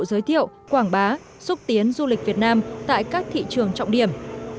giới thiệu quảng bá xúc tiến du lịch việt nam tại các thị trường trọng điểm